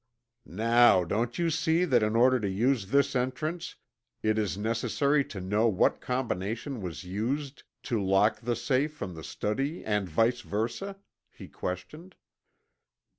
"Now, don't you see that in order to use this entrance it is necessary to know what combination was used to lock the safe from the study and vice versa?" he questioned.